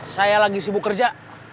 saya lagi sibuk kerja